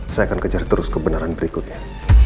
saya akan kejar terus kebenaran berikutnya